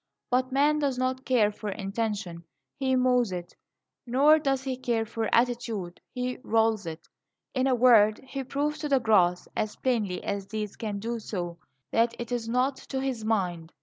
But man does not care for intention; he mows it. Nor does he care for attitude; he rolls it. In a word, he proves to the grass, as plainly as deeds can do so, that it is not to his mind.